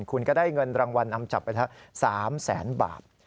คุณก็ได้เงินรางวัลอำจับไปถึง๓๐๐๐๐๐บาท